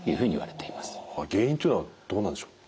原因というのはどうなんでしょう？